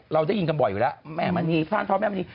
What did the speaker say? เราได้ยินกันบ่อยอยู่แล้วแม่มณีพ่านท้อแม่มณี